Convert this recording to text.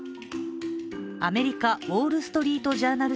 アメリカ「ウォールストリート・ジャーナル」